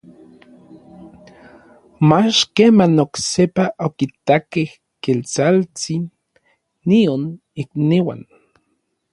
mach keman oksepa okitakej Ketsaltsin nion ikniuan.